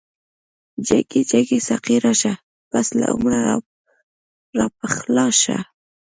جګی جګی ساقی راشه، پس له عمره راپخلا شه